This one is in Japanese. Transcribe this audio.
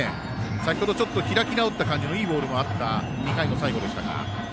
先ほど、開き直った感じのいいボールもあった２回の最後でしたが。